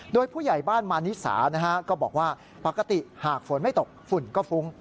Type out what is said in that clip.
โดยผู้ใหญ่บ้านมานิสานะฮะก็บอกว่าปกติหากฝนไม่ตกฝุ่นก็ฟุ้ง